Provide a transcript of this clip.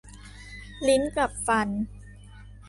ลิ้นกับฟัน